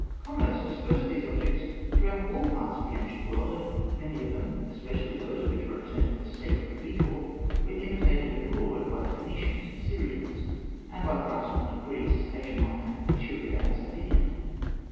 Commerce dispersed these objects throughout all parts of the ancient world, and many of them, especially those which represented the sacred beetle, were imitated abroad by the Phoenicians and Syrians, and by the craftsmen of Greece, Asia Minor, Etruria, and Sardinia.